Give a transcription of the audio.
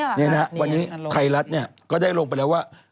ปิดนี่หรอครับนี่อย่างงั้นลงไปวันนี้ไครรัสก็ได้ลงไปแล้วว่า